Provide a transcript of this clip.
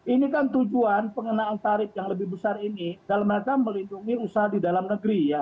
ini kan tujuan pengenaan tarif yang lebih besar ini dalam rangka melindungi usaha di dalam negeri ya